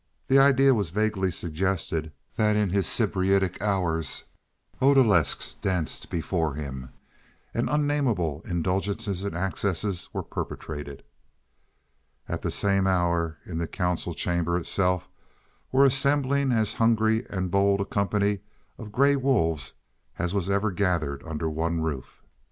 The idea was vaguely suggested that in his sybaritic hours odalesques danced before him and unnamable indulgences and excesses were perpetrated. At this same hour in the council chamber itself were assembling as hungry and bold a company of gray wolves as was ever gathered under one roof.